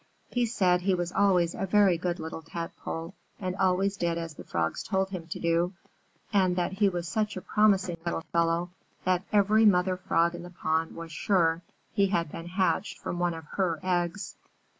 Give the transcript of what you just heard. He said that he was always a very good little Tadpole, and always did as the Frogs told him to do; and that he was such a promising little fellow that every Mother Frog in the pond was sure that he had been hatched from one of her eggs.